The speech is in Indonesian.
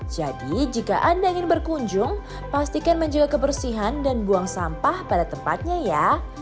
jadi jika anda ingin berkunjung pastikan menjaga kebersihan dan buang sampah pada tempatnya ya